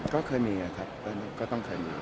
ก็เคยมีครับก็ต้องเคยมี